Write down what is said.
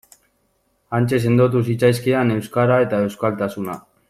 Hantxe sendotu zitzaizkidan euskara eta euskaltasuna.